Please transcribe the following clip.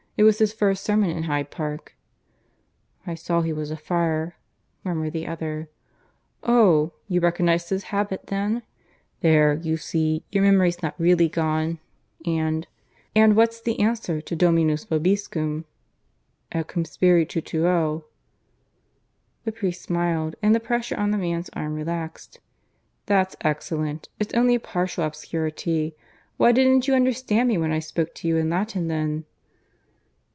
It was his first sermon in Hyde Park." "I saw he was a friar," murmured the other. "Oh! you recognized his habit then? There, you see; your memory's not really gone. And ... and what's the answer to Dominus vobiscum?" "Et cum spiritu tuo." The priest smiled, and the pressure on the man's arm relaxed. "That's excellent. It's only a partial obscurity. Why didn't you understand me when I spoke to you in Latin then?"